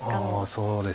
そうですね。